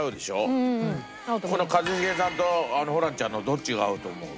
この一茂さんとホランちゃんのどっちが合うと思う？